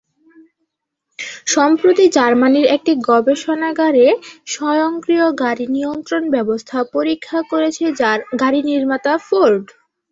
সম্প্রতি জার্মানির একটি গবেষণাগারে স্বয়ংক্রিয় গাড়ি নিয়ন্ত্রণব্যবস্থা পরীক্ষা করেছে গাড়ি নির্মাতা ফোর্ড।